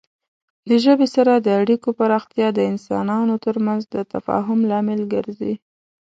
د ژبې سره د اړیکو پراختیا د انسانانو ترمنځ د تفاهم لامل ګرځي.